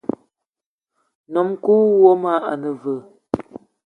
Ngnom-kou woma ane veu?